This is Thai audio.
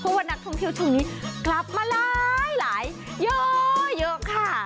เพราะว่านักท่องเที่ยวช่วงนี้กลับมาหลายเยอะค่ะ